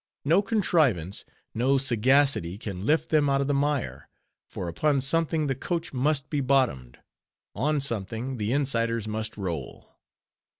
No contrivance, no sagacity can lift them out of the mire; for upon something the coach must be bottomed; on something the insiders must roll.